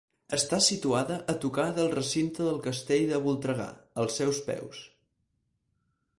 Està situada a tocar del recinte del castell de Voltregà, als seus peus.